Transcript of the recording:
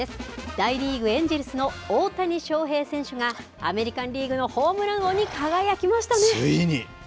大リーグ・エンジェルスの大谷翔平選手が、アメリカンリーグのホームラン王に輝きましたね。